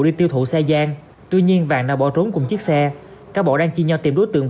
đi tiêu thụ xe gian tuy nhiên vàng đã bỏ trốn cùng chiếc xe các bộ đang chia nhau tìm đối tượng